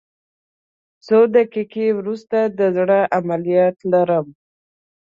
څو دقیقې وروسته د زړه عملیات لرم